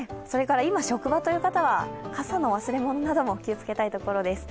今、職場という方は傘の忘れ物なども気をつけたいところです。